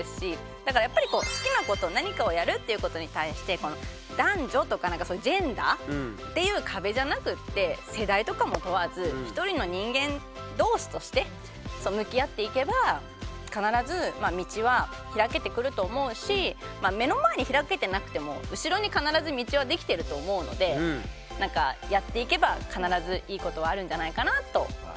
だからやっぱり好きなこと何かをやるっていうことに対して男女とかジェンダーっていう壁じゃなくって世代とかも問わず一人の人間同士として向き合っていけば必ず道は開けてくると思うし目の前に開けてなくても後ろに必ず道はできてると思うのでやっていけば必ずいいことはあるんじゃないかなと思います。